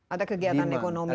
ada kegiatan ekonomi